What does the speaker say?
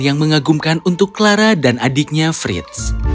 yang mengagumkan untuk clara dan adiknya fritz